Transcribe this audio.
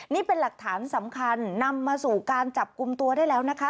นี่เป็นหลักฐานสำคัญนำมาสู่การจับกลุ่มตัวได้แล้วนะคะ